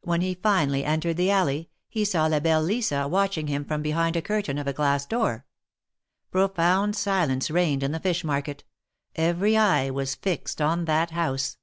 When he finally entered the alley, he saw La belle Lisa watching him from behind the curtain of a glass door. Profound silence reigned in the fish market; every eye was fixed on that house.